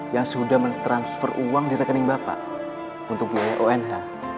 yang sudah men transfer uang di rekening bapak untuk biaya onh